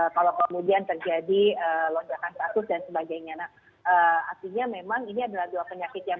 kalau kemudian terjadi lonjakan kasus dan sebagainya artinya memang ini adalah dua penyakit yang